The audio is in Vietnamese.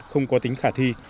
không có tính khả thi